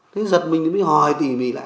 thế giật mình thì mới hỏi tỉ mì lại